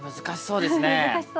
難しそうですね。